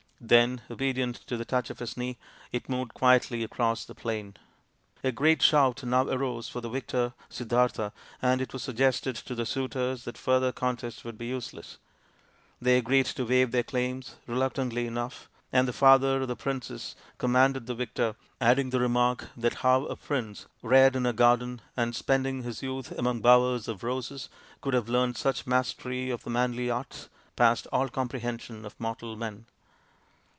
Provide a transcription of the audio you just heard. Then, obedient to the touch of his knee, it moved quietly across the plain. A great shout now arose for the victor Siddartha, and it was suggested to the suitors that further contest would be useless. They agreed to waive their claims, reluctantly enough, and the father of the princess commended the victor, adding the remark that how a prince reared in a garden and spending his youth among bowers of roses could have learnt such mastery of the manly arts> passed all comprehension of mortal men.